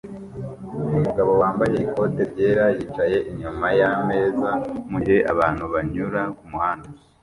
Umugabo wambaye ikote ryera yicaye inyuma yameza mugihe abantu banyura kumuhanda